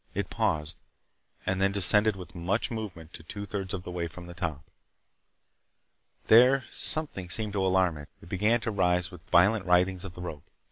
It paused, and then descended with much movement to two thirds of the way from the top. There something seemed to alarm it. It began to rise with violent writhings of the rope.